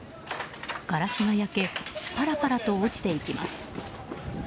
ガラスが焼けパラパラと落ちていきます。